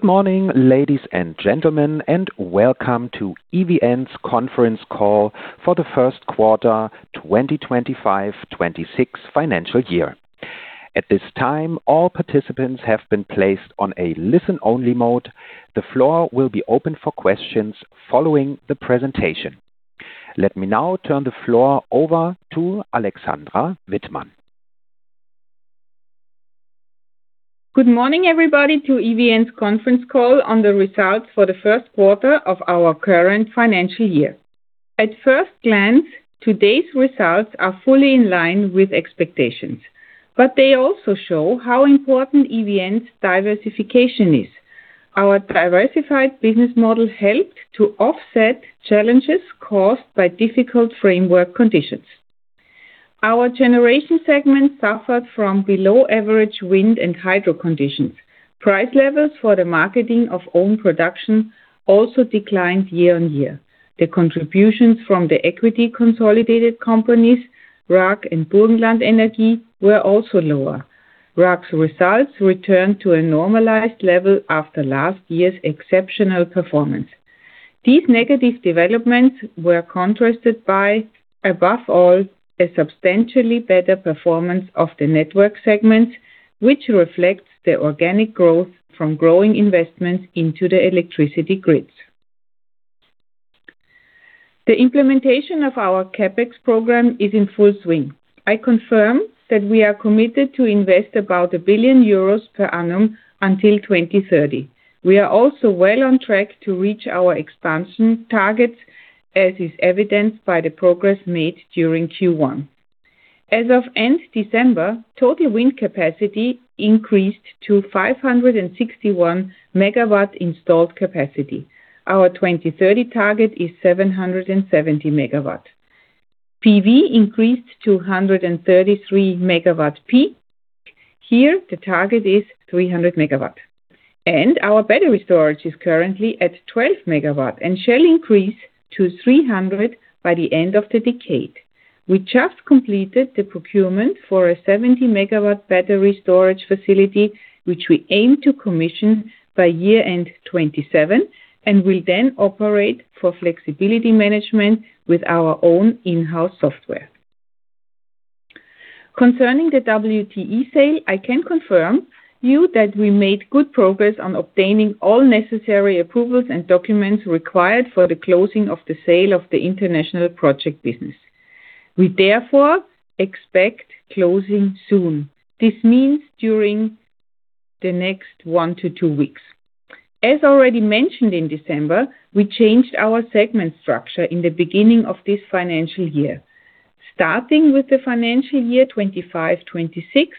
Good morning, ladies and gentlemen, and welcome to EVN's Conference Call for the First Quarter, 2025, 2026 Financial Year. At this time, all participants have been placed on a listen-only mode. The floor will be open for questions following the presentation. Let me now turn the floor over to Alexandra Wittmann. Good morning, everybody, to EVN's conference call on the results for the first quarter of our current financial year. At first glance, today's results are fully in line with expectations, but they also show how important EVN's diversification is. Our diversified business model helped to offset challenges caused by difficult framework conditions. Our generation segment suffered from below average wind and hydro conditions. Price levels for the marketing of own production also declined year-on-year. The contributions from the equity consolidated companies, RAG and Burgenland Energie, were also lower. RAG's results returned to a normalized level after last year's exceptional performance. These negative developments were contrasted by, above all, a substantially better performance of the network segments, which reflects the organic growth from growing investments into the electricity grids. The implementation of our CapEx program is in full swing. I confirm that we are committed to invest about 1 billion euros per annum until 2030. We are also well on track to reach our expansion targets, as is evidenced by the progress made during Q1. As of end December, total wind capacity increased to 561 MW installed capacity. Our 2030 target is 770 MW. PV increased to 133 MW peak. Here, the target is 300 MW, and our battery storage is currently at 12 MW and shall increase to 300 by the end of the decade. We just completed the procurement for a 70 MW battery storage facility, which we aim to commission by year-end 2027, and will then operate for flexibility management with our own in-house software. Concerning the WTE sale, I can confirm you that we made good progress on obtaining all necessary approvals and documents required for the closing of the sale of the international project business. We, therefore, expect closing soon. This means during the next one to two weeks. As already mentioned in December, we changed our segment structure in the beginning of this financial year. Starting with the financial year 2025, 2026,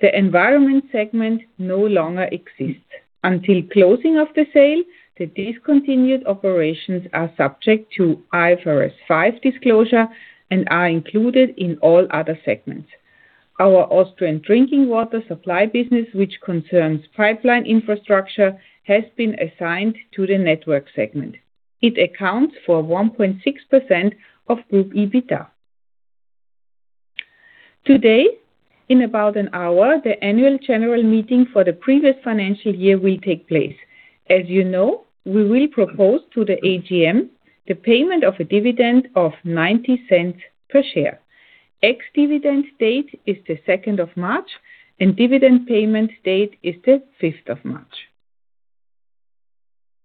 the environment segment no longer exists. Until closing of the sale, the discontinued operations are subject to IFRS 5 disclosure and are included in all other segments. Our Austrian drinking water supply business, which concerns pipeline infrastructure, has been assigned to the network segment. It accounts for 1.6% of group EBITDA. Today, in about an hour, the annual general meeting for the previous financial year will take place. As you know, we will propose to the AGM the payment of a dividend of 0.90 per share. Ex-dividend date is the 2nd of March, and dividend payment date is the 5th of March.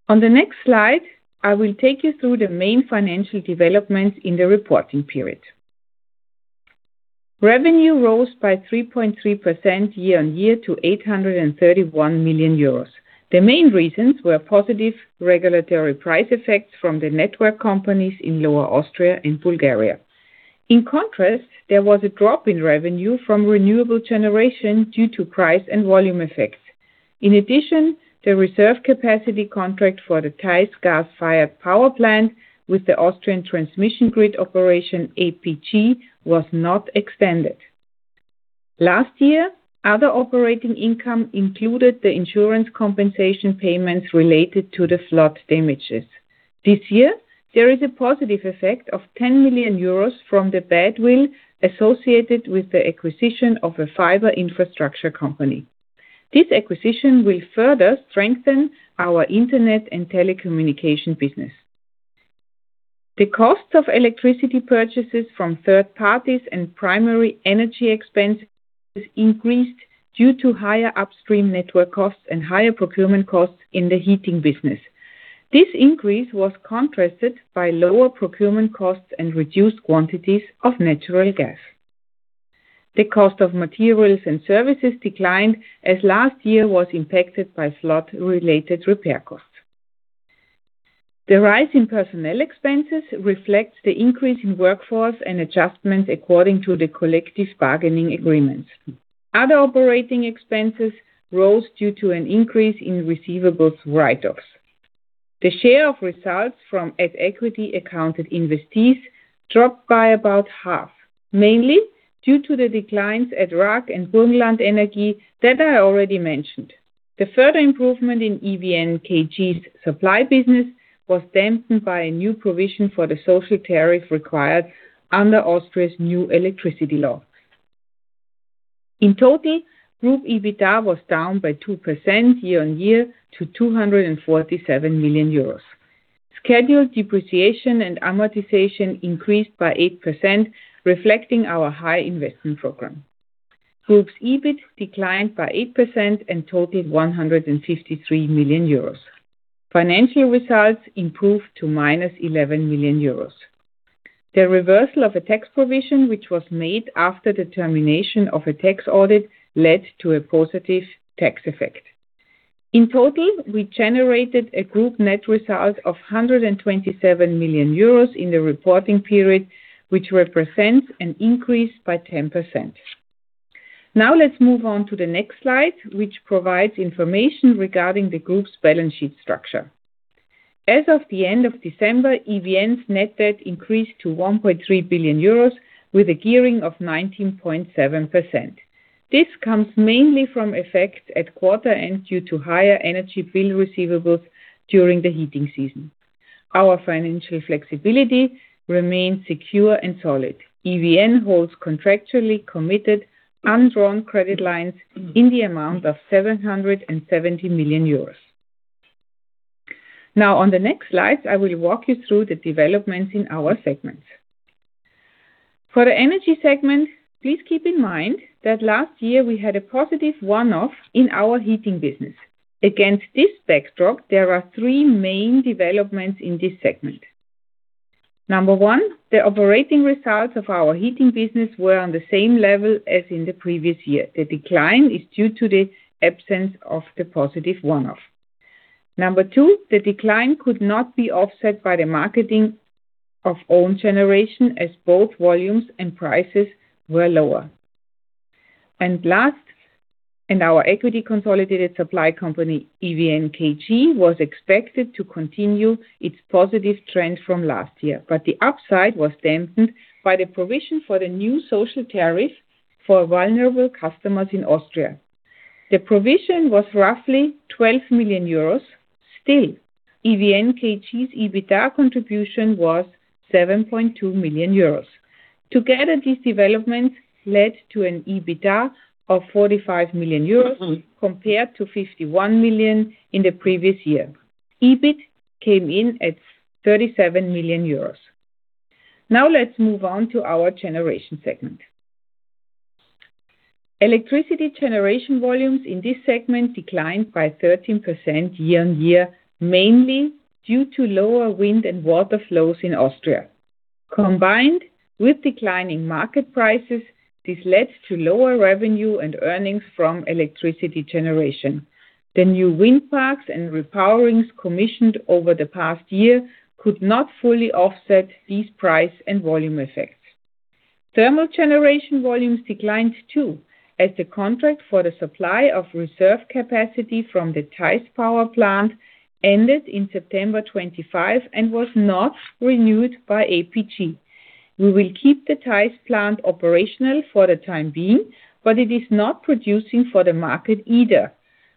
On the next slide, I will take you through the main financial developments in the reporting period. Revenue rose by 3.3% year-on-year to 831 million euros. The main reasons were positive regulatory price effects from the network companies in Lower Austria and Bulgaria. In contrast, there was a drop in revenue from renewable generation due to price and volume effects. In addition, the reserve capacity contract for the Theiss gas-fired power plant with the Austrian Transmission Grid Operation, APG, was not extended. Last year, other operating income included the insurance compensation payments related to the flood damages. This year, there is a positive effect of 10 million euros from the bad will associated with the acquisition of a fiber infrastructure company. This acquisition will further strengthen our internet and telecommunication business. The cost of electricity purchases from third parties and primary energy expenses increased due to higher upstream network costs and higher procurement costs in the heating business. This increase was contrasted by lower procurement costs and reduced quantities of natural gas. The cost of materials and services declined, as last year was impacted by flood-related repair costs. The rise in personnel expenses reflects the increase in workforce and adjustments according to the collective bargaining agreement. Other operating expenses rose due to an increase in receivables write-offs. The share of results from at equity accounted investees dropped by about half, mainly due to the declines at RAG and Burgenland Energie that I already mentioned. The further improvement in EVN AG's supply business was dampened by a new provision for the social tariff required under Austria's new electricity law. In total, group EBITDA was down by 2% year-on-year, to 247 million euros. Scheduled depreciation and amortization increased by 8%, reflecting our high investment program. Group's EBIT declined by 8% and totaled 153 million euros. Financial results improved to minus 11 million euros. The reversal of a tax provision, which was made after the termination of a tax audit, led to a positive tax effect. In total, we generated a group net result of 127 million euros in the reporting period, which represents an increase by 10%. Now, let's move on to the next slide, which provides information regarding the group's balance sheet structure. As of the end of December, EVN's net debt increased to 1.3 billion euros, with a gearing of 19.7%. This comes mainly from effects at quarter end, due to higher energy bill receivables during the heating season. Our financial flexibility remains secure and solid. EVN holds contractually committed, undrawn credit lines in the amount of 770 million euros. On the next slide, I will walk you through the developments in our segments. For the energy segment, please keep in mind that last year we had a positive one-off in our heating business. Against this backdrop, there are three main developments in this segment. Number one, the operating results of our heating business were on the same level as in the previous year. The decline is due to the absence of the positive one-off. Number two, the decline could not be offset by the marketing of own generation, as both volumes and prices were lower. Last, in our equity consolidated supply company, EVN KG, was expected to continue its positive trend from last year, but the upside was dampened by the provision for the new social tariff for vulnerable customers in Austria. The provision was roughly 12 million euros. Still, EVN KG's EBITDA contribution was 7.2 million euros. Together, these developments led to an EBITDA of 45 million euros, compared to 51 million in the previous year. EBIT came in at 37 million euros. Let's move on to our generation segment. Electricity generation volumes in this segment declined by 13% year-on-year, mainly due to lower wind and water flows in Austria. Combined with declining market prices, this led to lower revenue and earnings from electricity generation. The new wind parks and repowerings commissioned over the past year could not fully offset these price and volume effects. Thermal generation volumes declined, too, as the contract for the supply of reserve capacity from the Theiss power plant ended in September 2025 and was not renewed by APG. We will keep the Theiss plant operational for the time being, but it is not producing for the market either.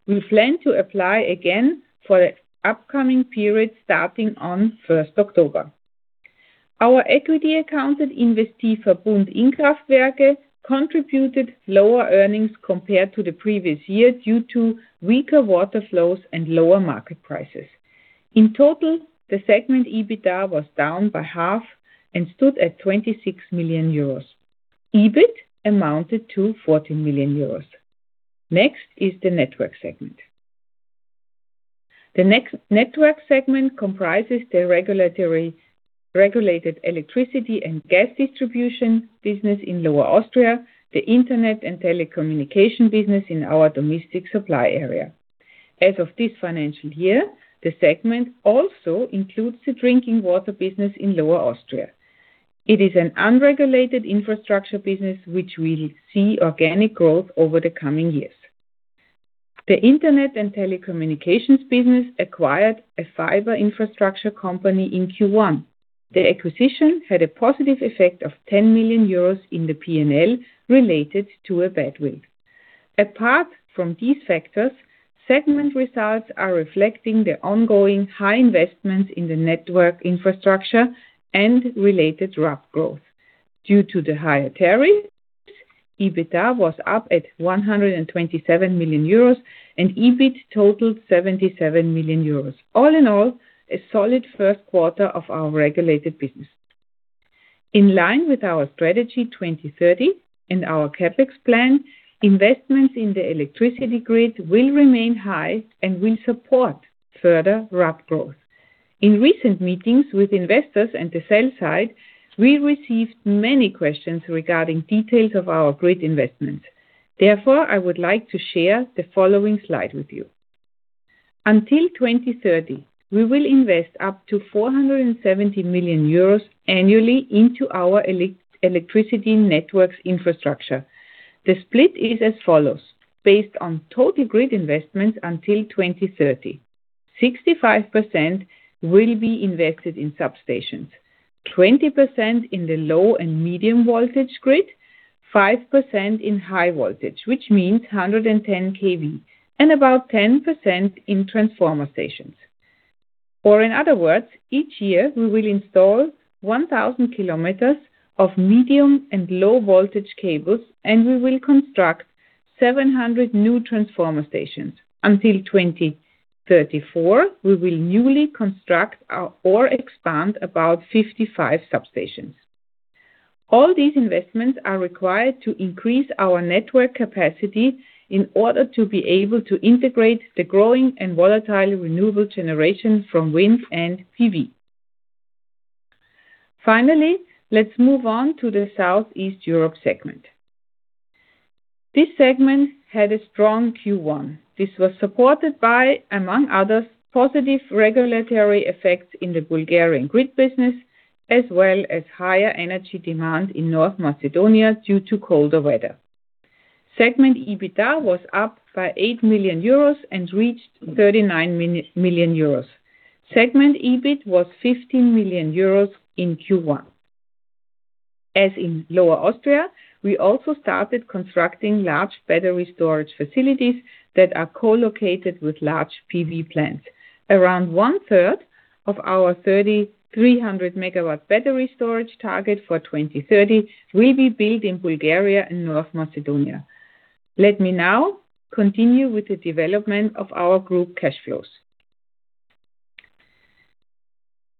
We plan to apply again for the upcoming period, starting on first October. Our equity accounted investment Verbund Innkraftwerke contributed lower earnings compared to the previous year, due to weaker water flows and lower market prices. In total, the segment EBITDA was down by half and stood at 26 million euros. EBIT amounted to 14 million euros. Next is the network segment. The next network segment comprises the regulated electricity and gas distribution business in Lower Austria, the internet and telecommunication business in our domestic supply area. As of this financial year, the segment also includes the drinking water business in Lower Austria. It is an unregulated infrastructure business, which will see organic growth over the coming years. The internet and telecommunications business acquired a fiber infrastructure company in Q1. The acquisition had a positive effect of 10 million euros in the PNL, related to a bad will. Apart from these factors, segment results are reflecting the ongoing high investments in the network infrastructure and related RAB growth. Due to the higher tariffs, EBITDA was up at 127 million euros, and EBIT totaled 77 million euros. All in all, a solid first quarter of our regulated business. In line with our Strategy 2030 and our CapEx plan, investments in the electricity grid will remain high and will support further RAB growth. In recent meetings with investors and the sell side, we received many questions regarding details of our grid investment. I would like to share the following slide with you. Until 2030, we will invest up to 470 million euros annually into our electricity networks infrastructure. The split is as follows: Based on total grid investments until 2030, 65% will be invested in substations, 20% in the low and medium voltage grid, 5% in high voltage, which means 110 KV, and about 10% in transformer stations. In other words, each year, we will install 1,000 kilometers of medium and low voltage cables, and we will construct 700 new transformer stations. Until 2034, we will newly construct or expand about 55 substations. All these investments are required to increase our network capacity in order to be able to integrate the growing and volatile renewable generation from wind and PV. Let's move on to the Southeast Europe segment. This segment had a strong Q1. This was supported by, among others, positive regulatory effects in the Bulgarian grid business, as well as higher energy demand in North Macedonia due to colder weather. Segment EBITDA was up by 8 million euros and reached 39 million euros. Segment EBIT was 15 million euros in Q1. As in Lower Austria, we also started constructing large battery storage facilities that are co-located with large PV plants. Around 1/3 of our 3,300 MW battery storage target for 2030 will be built in Bulgaria and North Macedonia. Let me now continue with the development of our group cash flows.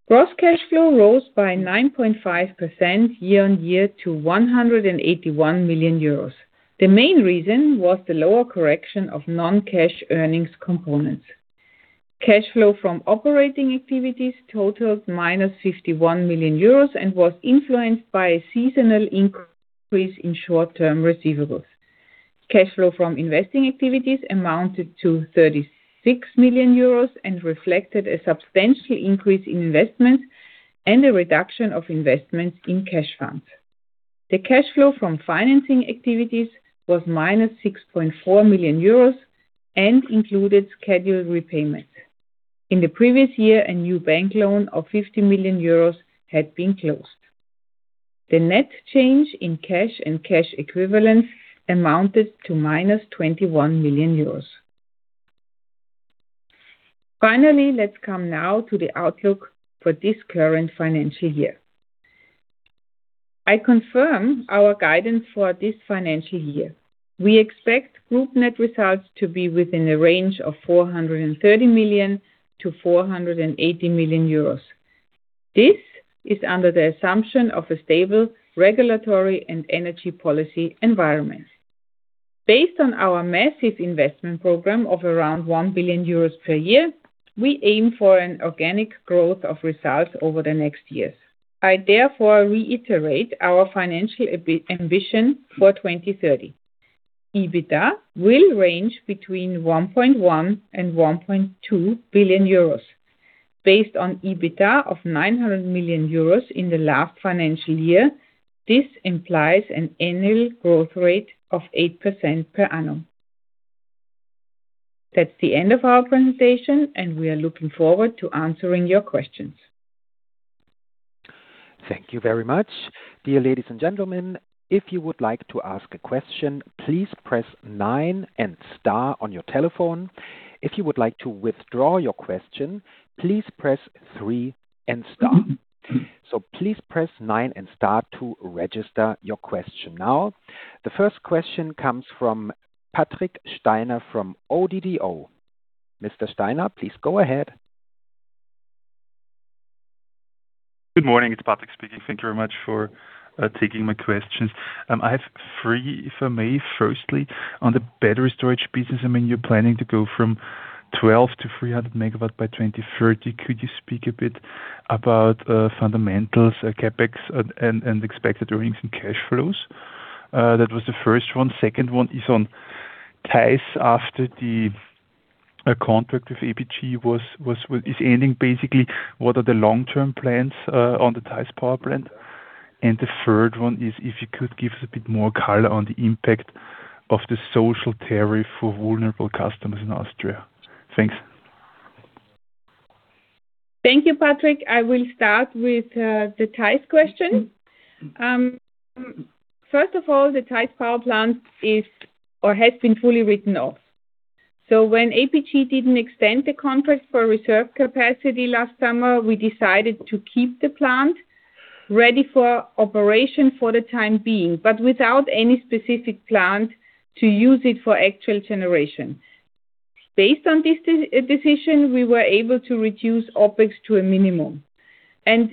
Gross cash flow rose by 9.5% year on year to 181 million euros. The main reason was the lower correction of non-cash earnings components. Cash flow from operating activities totaled minus 51 million euros and was influenced by a seasonal increase in short-term receivables. Cash flow from investing activities amounted to 36 million euros and reflected a substantial increase in investments and a reduction of investments in cash funds. The cash flow from financing activities was minus 6.4 million euros and included scheduled repayments. In the previous year, a new bank loan of 50 million euros had been closed. The net change in cash and cash equivalents amounted to minus 21 million euros. Let's come now to the outlook for this current financial year. I confirm our guidance for this financial year. We expect group net results to be within a range of 430 million-480 million euros. This is under the assumption of a stable regulatory and energy policy environment. Based on our massive investment program of around 1 billion euros per year, we aim for an organic growth of results over the next years. I, therefore, reiterate our financial ambition for 2030. EBITDA will range between 1.1 billion and 1.2 billion euros. Based on EBITDA of 900 million euros in the last financial year, this implies an annual growth rate of 8% per annum. That's the end of our presentation. We are looking forward to answering your questions. Thank you very much. Dear ladies and gentlemen, if you would like to ask a question, please press nine and star on your telephone. If you would like to withdraw your question, please press three and star. Please press nine and star to register your question now. The first question comes from Patrick Steiner, from ODDO. Mr. Steiner, please go ahead. Good morning, it's Patrick speaking. Thank you very much for taking my questions. I have three for me. Firstly, on the battery storage business, I mean, you're planning to go from 12 to 300 MW by 2030. Could you speak a bit about fundamentals, CapEx, and expected earnings and cash flows? That was the first one. Second one is on Theiss, after the contract with APG was ending, basically, what are the long-term plans on the Theiss power plant? The third one is if you could give us a bit more color on the impact of the social tariff for vulnerable customers in Austria. Thanks. Thank you, Patrick. I will start with the Theiss question. First of all, the Theiss power plant is or has been fully written off. When APG didn't extend the contract for reserve capacity last summer, we decided to keep the plant ready for operation for the time being, but without any specific plant to use it for actual generation. Based on this decision, we were able to reduce OpEx to a minimum.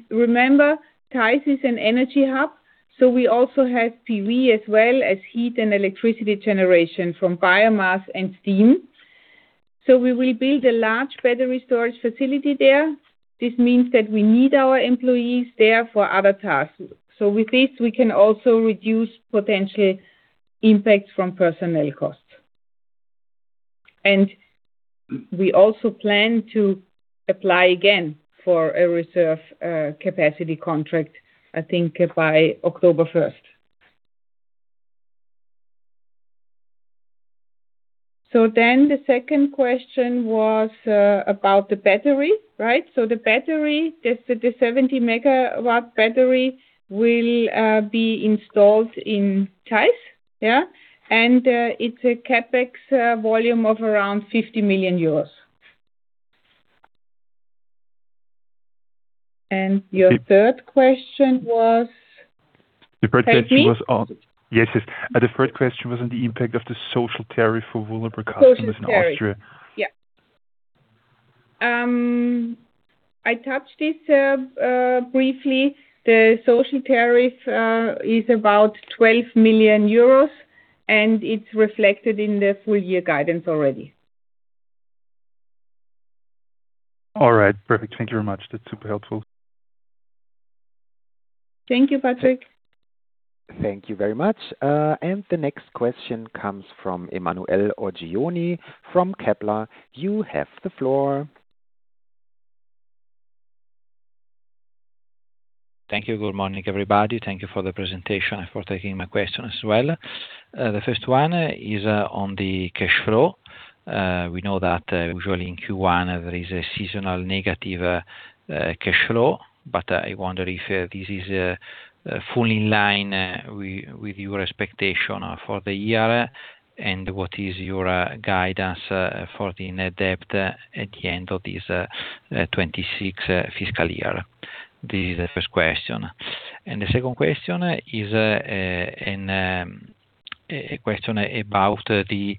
Remember, Theiss is an energy hub, so we also have PV as well as heat and electricity generation from biomass and steam. We will build a large battery storage facility there. This means that we need our employees there for other tasks. With this, we can also reduce potential impacts from personnel costs. We also plan to apply again for a reserve capacity contract, I think by October first. The second question was about the battery, right? The battery, the 70 MW battery will be installed in Theiss? Yeah, it's a CapEx volume of around 50 million euros. Your third question was? The third question was on- Tariff? Yes, yes. The third question was on the impact of the social tariff for vulnerable customers. social tariff. In Austria. Yeah. I touched this briefly. The social tariff is about 12 million euros. It's reflected in the full year guidance already. All right, perfect. Thank you very much. That's super helpful. Thank you, Patrick. Thank you very much. The next question comes from Emanuele Oggioni from Kepler. You have the floor. Thank you. Good morning, everybody. Thank you for the presentation and for taking my question as well. The first one is on the cash flow. We know that usually in Q1, there is a seasonal negative cash flow, but I wonder if this is fully in line with your expectation for the year, and what is your guidance for the net debt at the end of this 2026 fiscal year? This is the first question. The second question is a question about the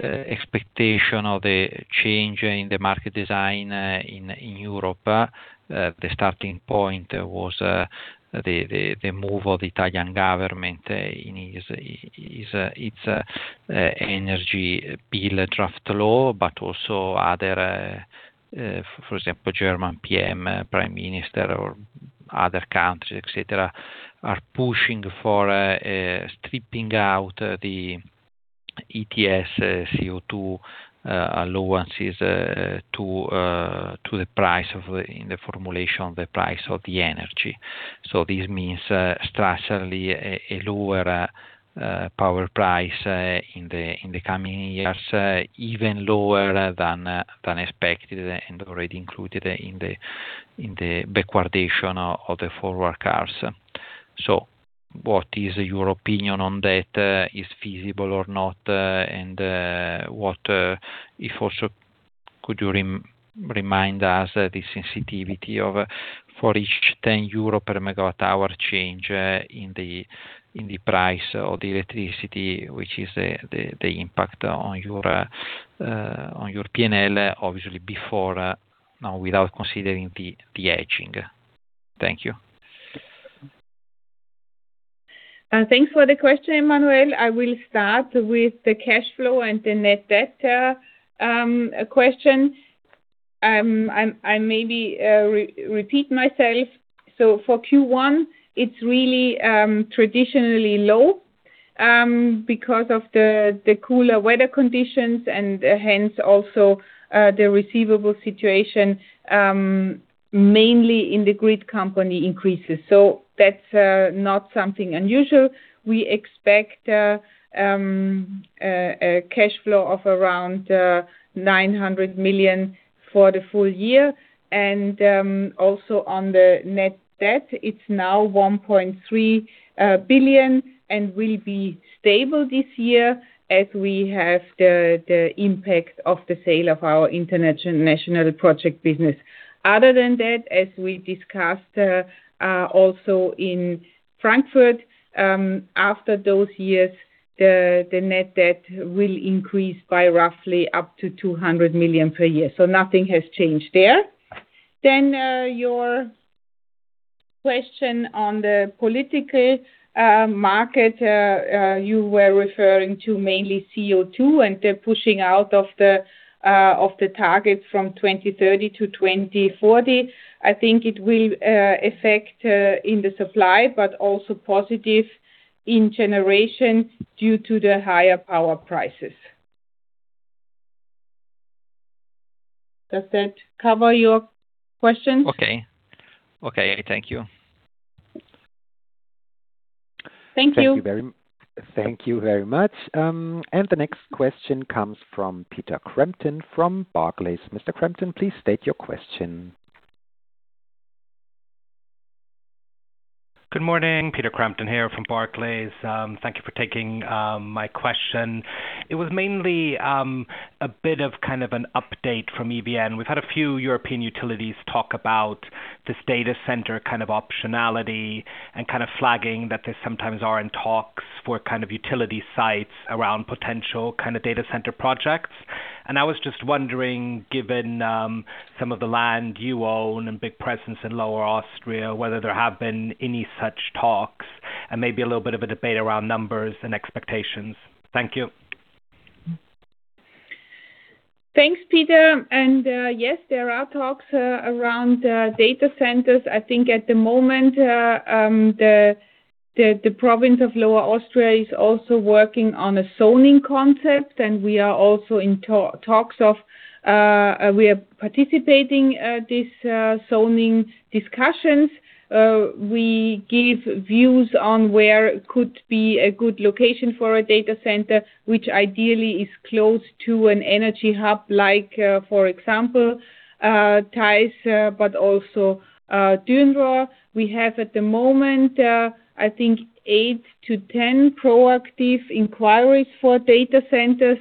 expectation of the change in the market design in Europe. The starting point was the move of the Italian government in its energy bill draft law, but also other, for example, German PM, Prime Minister, or other countries, et cetera, are pushing for stripping out the ETS CO2 allowances to the price of in the formulation of the price of the energy. This means structurally a lower power price in the coming years, even lower than expected and already included in the backwardation of the forward curves. What is your opinion on that, is feasible or not, and what if also could you remind us the sensitivity of, for each 10 euro per MWh change, in the price of the electricity, which is the impact on your PNL, obviously before, without considering the hedging? Thank you. Thanks for the question, Emanuele. I will start with the cash flow and the net debt question. I maybe repeat myself. For Q1, it's really traditionally low because of the cooler weather conditions and hence also the receivable situation mainly in the grid company increases. That's not something unusual. We expect a cash flow of around 900 million for the full year. On the net debt, it's now 1.3 billion and will be stable this year as we have the impact of the sale of our international project business. Other than that, as we discussed also in Frankfurt, after those years, the net debt will increase by roughly up to 200 million per year. Nothing has changed there. Your question on the political market, you were referring to mainly CO2, and they're pushing out of the targets from 2030-2040. I think it will affect in the supply, but also positive in generation due to the higher power prices. Does that cover your questions? Okay. Okay, thank you. Thank you. Thank you very much. The next question comes from Peter Crampton from Barclays. Mr. Crampton, please state your question. Good morning, Peter Crampton here from Barclays. Thank you for taking my question. It was mainly a bit of kind of an update from EVN. We've had a few European utilities talk about this data center kind of optionality and kind of flagging that they sometimes are in talks for kind of utility sites around potential kind of data center projects. And I was just wondering, given, some of the land you own and big presence in Lower Austria, whether there have been any such talks and maybe a little bit of a debate around numbers and expectations. Thank you. Thanks, Peter, and yes, there are talks around data centers. I think at the moment, the province of Lower Austria is also working on a zoning concept, and we are also in talks of we are participating this zoning discussions. We give views on where could be a good location for a data center, which ideally is close to an energy hub, like, for example, Theiss, but also Dürnrohr. We have at the moment, I think 8-10 proactive inquiries for data centers.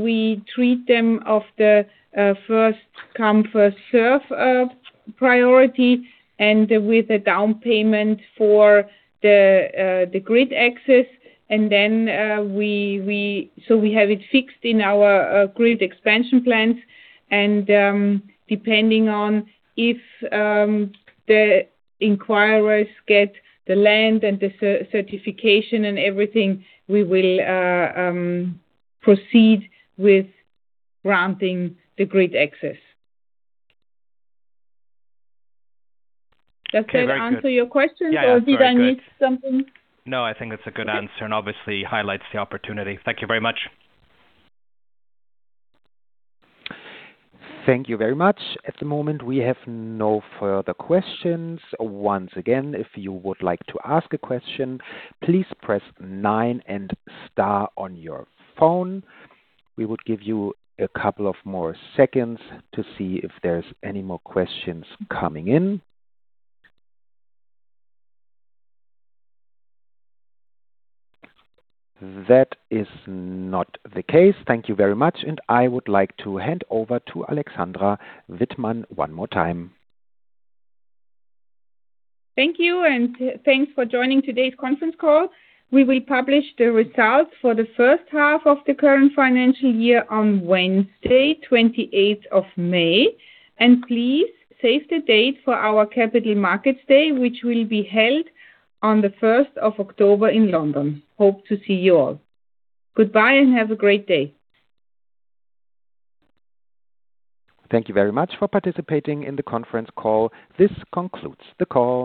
We treat them of the first come, first serve priority, and with a down payment for the grid access. We have it fixed in our grid expansion plans. Depending on if the inquirers get the land and the certification and everything, we will proceed with granting the grid access. Does that answer your question? Yeah. Did I miss something? No, I think that's a good answer, and obviously highlights the opportunity. Thank you very much. Thank you very much. At the moment, we have no further questions. Once again, if you would like to ask a question, please press nine and star on your phone. We would give you a couple of more seconds to see if there's any more questions coming in. That is not the case. Thank you very much, and I would like to hand over to Alexandra Wittmann one more time. Thank you, and thanks for joining today's conference call. We will publish the results for the first half of the current financial year on Wednesday, 28th of May. Please save the date for our Capital Markets Day, which will be held on the 1st of October in London. Hope to see you all. Goodbye, and have a great day. Thank you very much for participating in the conference call. This concludes the call.